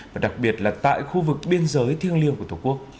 và đặc biệt là tại khu vực biên giới thiêng liêng của tổ quốc